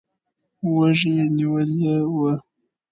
وږي یې نیولي ول.